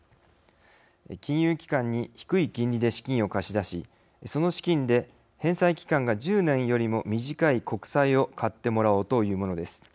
金融機関に低い金利で資金を貸し出しその資金で返済期間が１０年よりも短い国債を買ってもらおうというものです。